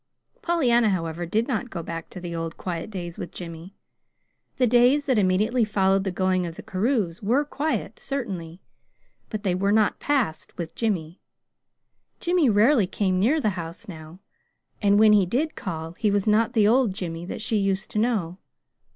Pollyanna, however, did not go back to the old quiet days with Jimmy. The days that immediately followed the going of the Carews were quiet, certainly, but they were not passed "with Jimmy." Jimmy rarely came near the house now, and when he did call, he was not the old Jimmy that she used to know.